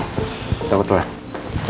kita ketulah ya